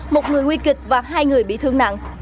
một người nguy kịch và hai người bị thương nặng